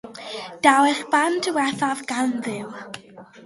Daw eich barn ddiwethaf gan Dduw.